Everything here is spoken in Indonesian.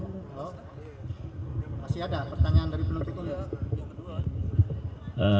masih ada pertanyaan dari belum cukup ya